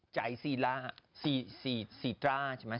ใจซีราซีซีซีซีดราใช่ไหม